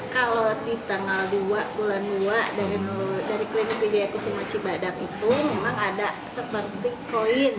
kalau di tanggal dua bulan dua dari klinik wijaya kusuma cibadak itu memang ada seperti koin